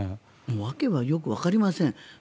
訳がよくわかりません。